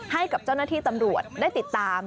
ให้กับเจ้าหน้าที่ตำรวจได้ติดตาม